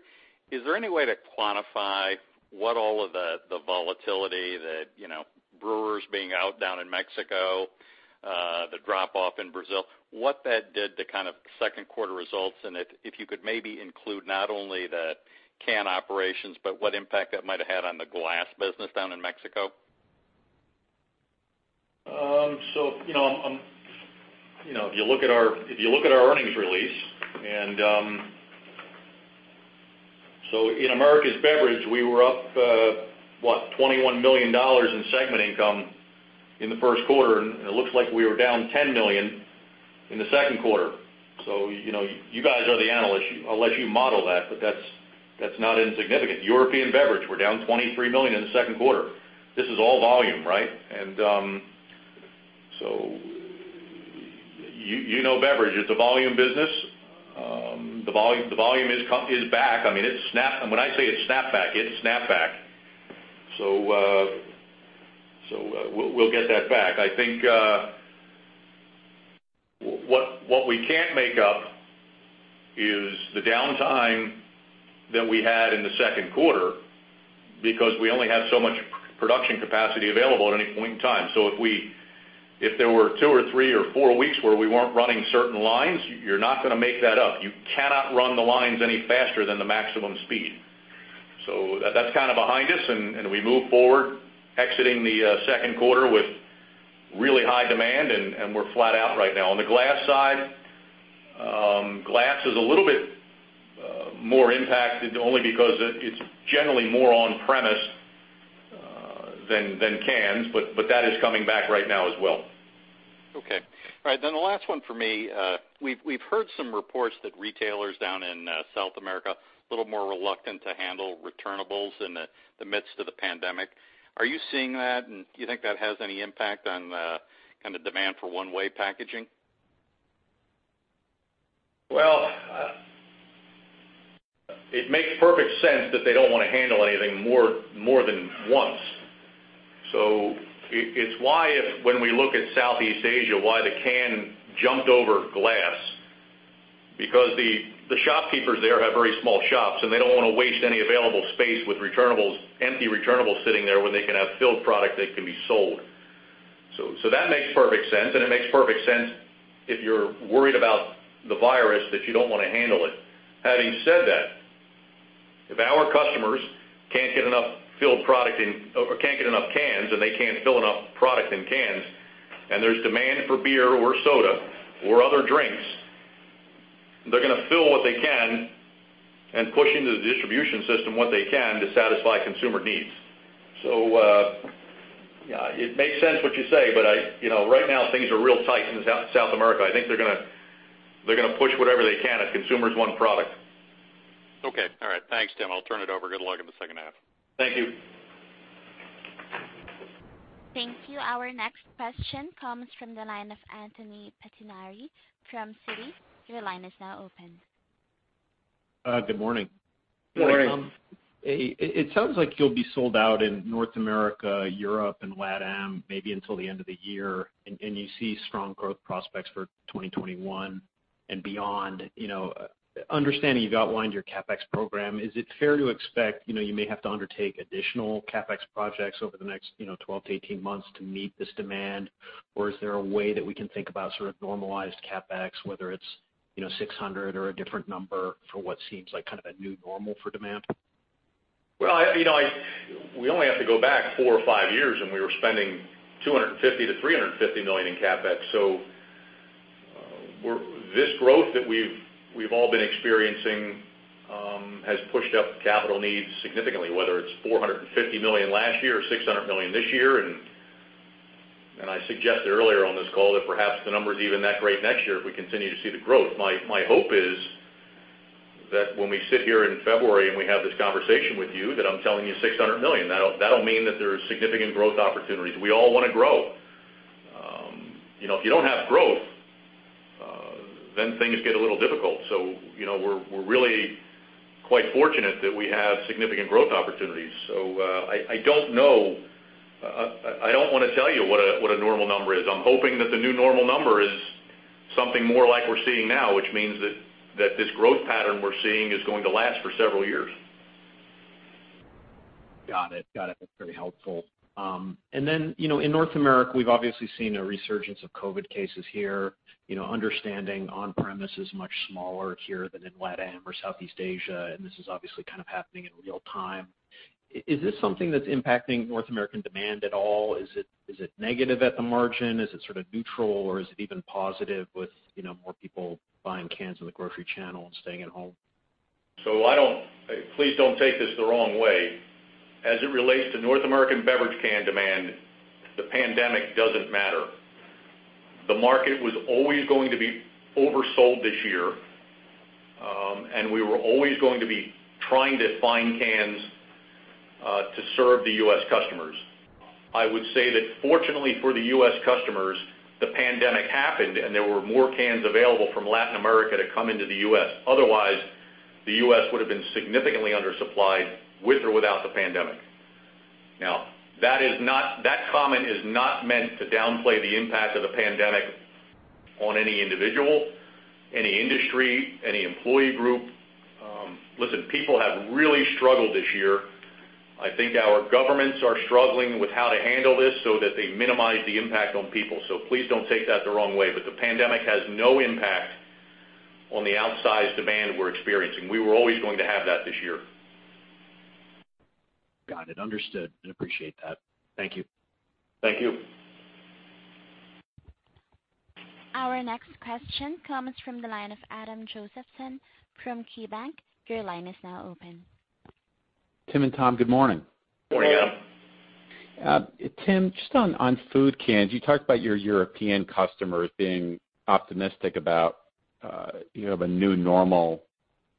is there any way to quantify what all of the volatility that brewers being out down in Mexico, the drop-off in Brazil, what that did to second quarter results? If you could maybe include not only the can operations, but what impact that might have had on the glass business down in Mexico. If you look at our earnings release, in Americas Beverage, we were up $21 million in segment income in the first quarter, and it looks like we were down $10 million in the second quarter. You guys are the analysts. I'll let you model that's not insignificant. European Beverage, we're down $23 million in the second quarter. This is all volume, right? You know beverage, it's a volume business. The volume is back. When I say it snapped back, it snapped back. We'll get that back. I think what we can't make up is the downtime that we had in the second quarter because we only have so much production capacity available at any point in time. If there were two or three or four weeks where we weren't running certain lines, you're not going to make that up. You cannot run the lines any faster than the maximum speed. That's kind of behind us, and we move forward exiting the second quarter with really high demand, and we're flat out right now. On the glass side, glass is a little bit more impacted only because it's generally more on-premise than cans, but that is coming back right now as well. Okay. All right, then the last one for me. We've heard some reports that retailers down in South America, a little more reluctant to handle returnables in the midst of the pandemic. Are you seeing that, and do you think that has any impact on the demand for one-way packaging? Well, it makes perfect sense that they don't want to handle anything more than once. It's why when we look at Southeast Asia, why the can jumped over glass, because the shopkeepers there have very small shops, and they don't want to waste any available space with empty returnables sitting there when they can have filled product that can be sold. That makes perfect sense, and it makes perfect sense if you're worried about the virus that you don't want to handle it. Having said that, if our customers can't get enough cans, and they can't fill enough product in cans, and there's demand for beer or soda or other drinks, they're going to fill what they can and push into the distribution system what they can to satisfy consumer needs. It makes sense what you say, but right now, things are real tight in South America. I think they're going to push whatever they can if consumers want product. Okay. All right. Thanks, Tim. I'll turn it over. Good luck in the second half. Thank you. Thank you. Our next question comes from the line of Anthony Pettinari from Citi. Your line is now open. Good morning. Good morning. It sounds like you'll be sold out in North America, Europe, and LATAM maybe until the end of the year. You see strong growth prospects for 2021 and beyond. Understanding you've outlined your CapEx program, is it fair to expect you may have to undertake additional CapEx projects over the next 12 to 18 months to meet this demand? Is there a way that we can think about sort of normalized CapEx, whether it's $600 or a different number for what seems like kind of a new normal for demand? Well, we only have to go back four or five years, we were spending $250 million-$350 million in CapEx. This growth that we've all been experiencing has pushed up capital needs significantly, whether it's $450 million last year or $600 million this year. I suggested earlier on this call that perhaps the number is even that great next year if we continue to see the growth. My hope is that when we sit here in February and we have this conversation with you, that I'm telling you $600 million. That'll mean that there's significant growth opportunities. We all want to grow. If you don't have growth, things get a little difficult. We're really quite fortunate that we have significant growth opportunities. I don't know. I don't want to tell you what a normal number is. I'm hoping that the new normal number is something more like we're seeing now, which means that this growth pattern we're seeing is going to last for several years. Got it. That's very helpful. In North America, we've obviously seen a resurgence of COVID cases here, understanding on-premise is much smaller here than in LATAM or Southeast Asia, and this is obviously kind of happening in real time. Is this something that's impacting North American demand at all? Is it negative at the margin? Is it sort of neutral, or is it even positive with more people buying cans in the grocery channel and staying at home? Please don't take this the wrong way. As it relates to North American beverage can demand, the pandemic doesn't matter. The market was always going to be oversold this year, and we were always going to be trying to find cans to serve the U.S. customers. I would say that fortunately for the U.S. customers, the pandemic happened, and there were more cans available from Latin America to come into the U.S. Otherwise, the U.S. would have been significantly undersupplied with or without the pandemic. That comment is not meant to downplay the impact of the pandemic on any individual, any industry, any employee group. Listen, people have really struggled this year. I think our governments are struggling with how to handle this so that they minimize the impact on people. Please don't take that the wrong way, but the pandemic has no impact on the outsized demand we're experiencing. We were always going to have that this year. Got it. Understood and appreciate that. Thank you. Thank you. Our next question comes from the line of Adam Josephson from KeyBanc. Your line is now open. Tim and Tom, good morning. Morning, Adam. Tim, just on food cans, you talked about your European customers being optimistic about a new normal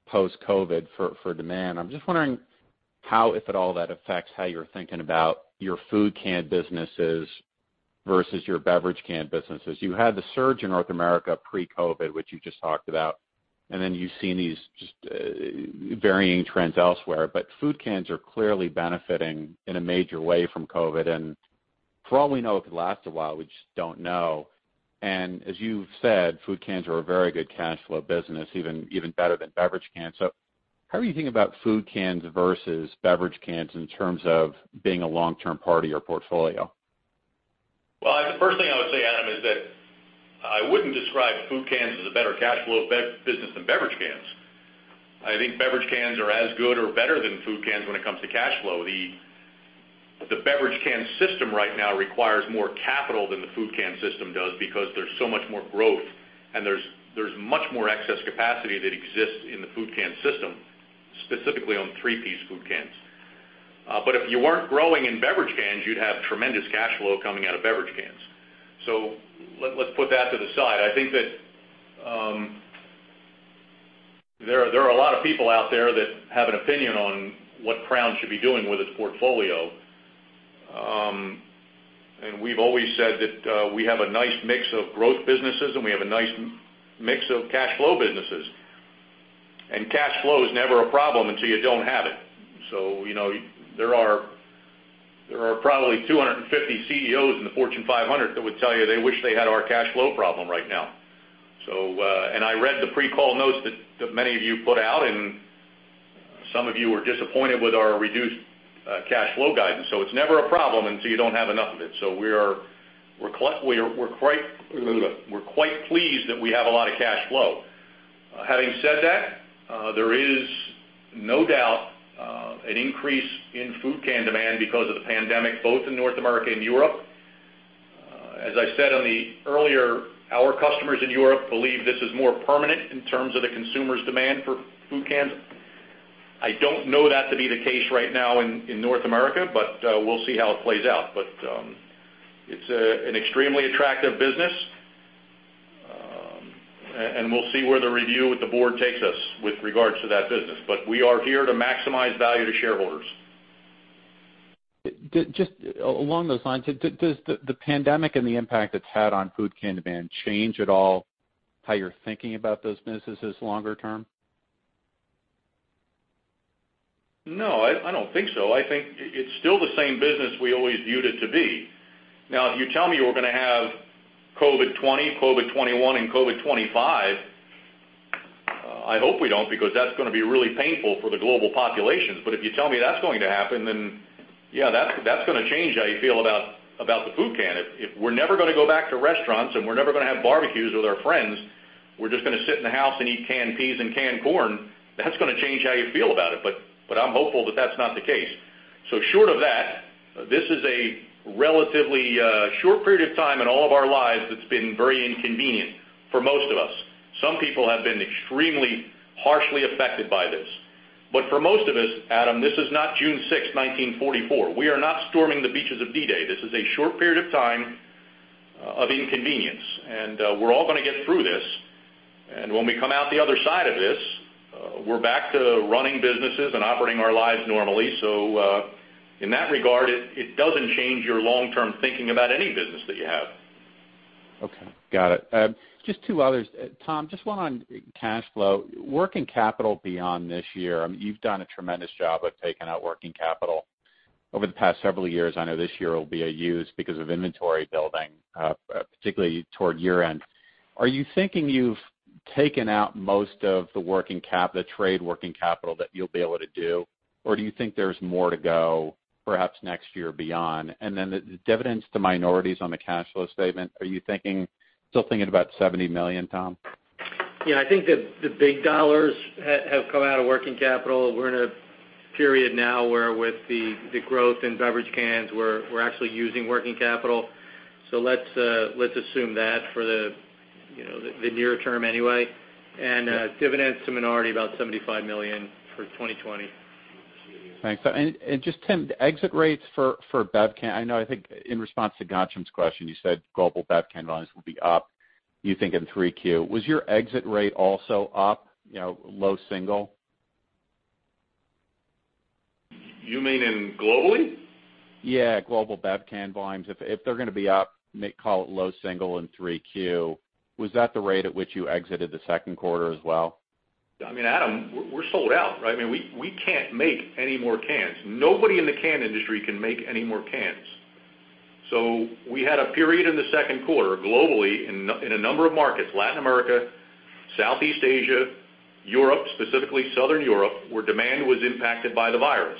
post-COVID for demand. I'm just wondering how, if at all, that affects how you're thinking about your food can businesses versus your beverage can businesses. You had the surge in North America pre-COVID, which you just talked about, then you've seen these just varying trends elsewhere, food cans are clearly benefiting in a major way from COVID, and for all we know, it could last a while. We just don't know. As you've said, food cans are a very good cash flow business, even better than beverage cans. How are you thinking about food cans versus beverage cans in terms of being a long-term part of your portfolio? Well, the first thing I would say, Adam, is that I wouldn't describe food cans as a better cash flow business than beverage cans. I think beverage cans are as good or better than food cans when it comes to cash flow. The beverage can system right now requires more capital than the food can system does because there's so much more growth, and there's much more excess capacity that exists in the food can system, specifically on three-piece food cans. If you weren't growing in beverage cans, you'd have tremendous cash flow coming out of beverage cans. Let's put that to the side. I think that there are a lot of people out there that have an opinion on what Crown should be doing with its portfolio. We've always said that we have a nice mix of growth businesses, and we have a nice mix of cash flow businesses. Cash flow is never a problem until you don't have it. There are probably 250 CEOs in the Fortune 500 that would tell you they wish they had our cash flow problem right now. I read the pre-call notes that many of you put out, and some of you were disappointed with our reduced cash flow guidance. It's never a problem until you don't have enough of it. We're quite pleased that we have a lot of cash flow. Having said that, there is no doubt an increase in food can demand because of the pandemic, both in North America and Europe. As I said on the earlier, our customers in Europe believe this is more permanent in terms of the consumer's demand for food cans. I don't know that to be the case right now in North America, but we'll see how it plays out. It's an extremely attractive business, and we'll see where the review with the Board takes us with regards to that business. We are here to maximize value to shareholders. Just along those lines, does the pandemic and the impact it's had on food can demand change at all how you're thinking about those businesses longer term? No, I don't think so. I think it's still the same business we always viewed it to be. Now, if you tell me we're going to have COVID-20, COVID-21, and COVID-25, I hope we don't because that's going to be really painful for the global populations. If you tell me that's going to happen, then yeah, that's going to change how you feel about the food can. If we're never going to go back to restaurants and we're never going to have barbecues with our friends, we're just going to sit in the house and eat canned peas and canned corn, that's going to change how you feel about it. I'm hopeful that that's not the case. Short of that, this is a relatively short period of time in all of our lives that's been very inconvenient for most of us. Some people have been extremely harshly affected by this. For most of us, Adam, this is not June 6th, 1944. We are not storming the beaches of D-Day. This is a short period of time of inconvenience, and we're all going to get through this. When we come out the other side of this, we're back to running businesses and operating our lives normally. In that regard, it doesn't change your long-term thinking about any business that you have. Okay. Got it. Just two others. Tim, just one on cash flow. Working capital beyond this year, you've done a tremendous job of taking out working capital over the past several years. I know this year will be a use because of inventory building, particularly toward year-end. Are you thinking you've taken out most of the trade working capital that you'll be able to do? Do you think there's more to go, perhaps next year beyond? The dividends to minorities on the cash flow statement, are you still thinking about $70 million, Tim? Yeah, I think the big dollars have come out of working capital. We're in a period now where with the growth in beverage cans, we're actually using working capital. Let's assume that for the near term anyway. Dividends to minority, about $75 million for 2020. Thanks. Just Tim, exit rates for BevCan. You mean in globally? Yeah, global BevCan volumes. If they're going to be up, call it low single in 3Q, was that the rate at which you exited the second quarter as well? I mean, Adam, we're sold out, right? We can't make any more cans. Nobody in the can industry can make any more cans. We had a period in the second quarter, globally, in a number of markets, Latin America, Southeast Asia, Europe, specifically Southern Europe, where demand was impacted by the virus.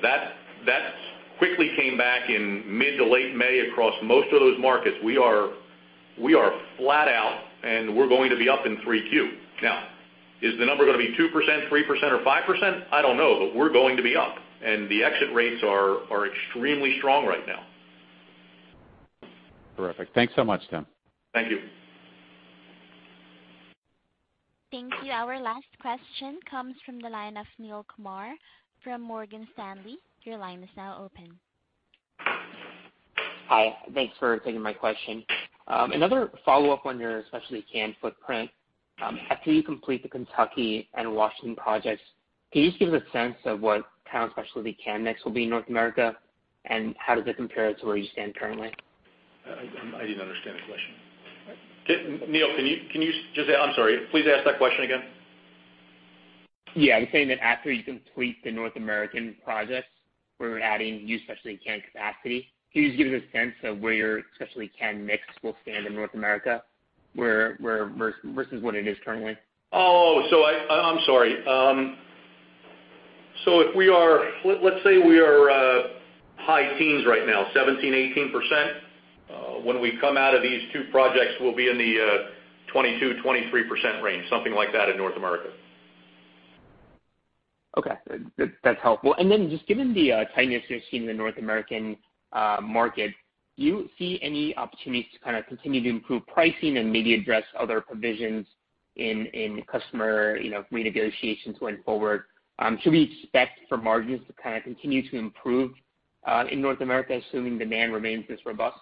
That quickly came back in mid to late May across most of those markets. We are flat out, and we're going to be up in 3Q. Now, is the number going to be 2%, 3%, or 5%? I don't know, but we're going to be up, and the exit rates are extremely strong right now. Terrific. Thanks so much, Tim. Thank you. Thank you. Our last question comes from the line of Neel Kumar from Morgan Stanley. Your line is now open. Hi. Thanks for taking my question. Another follow-up on your specialty can footprint. After you complete the Kentucky and Washington projects, can you just give us a sense of what Crown Specialty can mix will be in North America, and how does it compare to where you stand currently? I didn't understand the question. Neel, I'm sorry. Please ask that question again. Yeah. I'm saying that after you complete the North American projects, we're adding used specialty can capacity. Can you just give us a sense of where your specialty can mix will stand in North America versus what it is currently? I'm sorry. Let's say we are high teens right now, 17%, 18%. When we come out of these two projects, we'll be in the 22%, 23% range, something like that in North America. Okay. That's helpful. Just given the tightness you're seeing in the North American market, do you see any opportunities to kind of continue to improve pricing and maybe address other provisions in customer renegotiations going forward? Should we expect for margins to kind of continue to improve in North America, assuming demand remains this robust?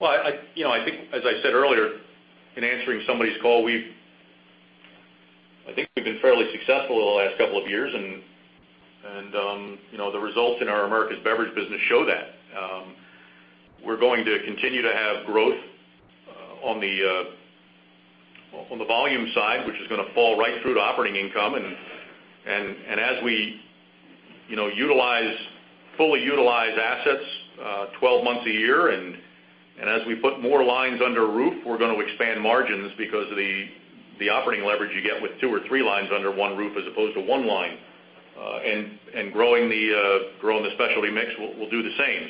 I think, as I said earlier in answering somebody's call, I think we've been fairly successful over the last couple of years, and the results in our Americas Beverage business show that. We're going to continue to have growth on the volume side, which is going to fall right through to operating income. As we fully utilize assets 12 months a year, and as we put more lines under a roof, we're going to expand margins because of the operating leverage you get with two or three lines under one roof as opposed to one line. Growing the specialty mix will do the same.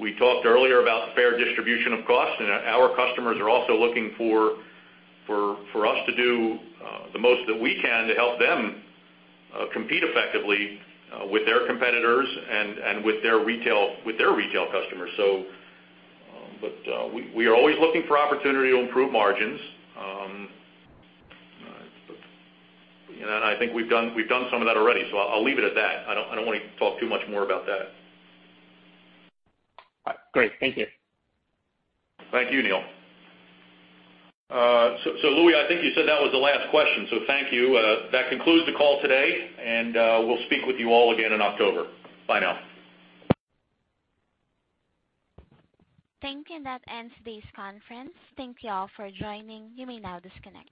We talked earlier about fair distribution of cost, and our customers are also looking for us to do the most that we can to help them compete effectively with their competitors and with their retail customers. We are always looking for opportunity to improve margins. I think we've done some of that already, so I'll leave it at that. I don't want to talk too much more about that. All right, great. Thank you. Thank you, Neel. Louie, I think you said that was the last question, so thank you. That concludes the call today, and we'll speak with you all again in October. Bye now. Thank you. That ends today's conference. Thank you all for joining. You may now disconnect.